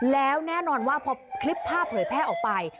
แล้วแน่นอนว่าพอคลิปภาพเผยแพร่ออกไป